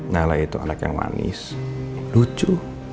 nala itu anak yang manis lucu